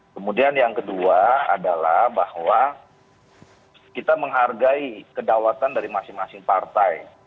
kemudian yang kedua adalah bahwa kita menghargai kedaulatan dari masing masing partai